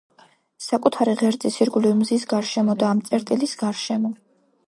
საკუთარი ღერძის ირგვლივ, მზის გარშემო და ამ წერტილის გარშემო.